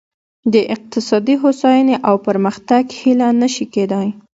د اقتصادي هوساینې او پرمختګ هیله نه شي کېدای.